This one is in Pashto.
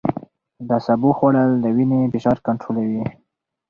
د سبو خوړل د وینې فشار کنټرولوي.